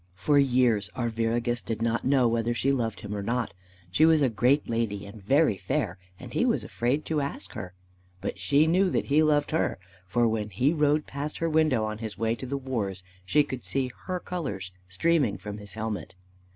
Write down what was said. For years Arviragus did not know whether she loved him or not. She was a great lady and very fair, and he was afraid to ask her. But she knew that he loved her, for when he rode past her window on his way to the wars, she could see her colors streaming from his helmet.